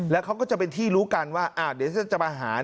แล้วเขาก็จะเป็นที่รู้กันว่าเดี๋ยวจะมาหา